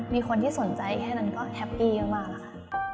มีคนที่สนใจแค่นั้นก็แฮปปี้มากแล้วค่ะ